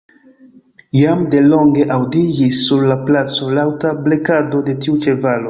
Jam de longe aŭdiĝis sur la placo laŭta blekado de tiu ĉevalo.